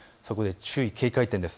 注意警戒点です。